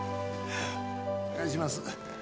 お願いします。